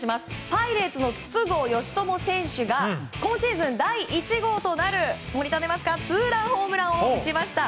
パイレーツの筒香選手が今シーズン第１号となるツーランホームランを打ちました。